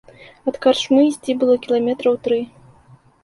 Ад карчмы ісці было кіламетраў тры.